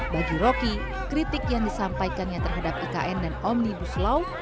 bagi roky kritik yang disampaikannya terhadap ikn dan omnibus law